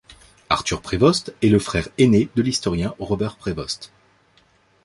Arthur Prévost est le frère aîné de l'historien Robert Prévost.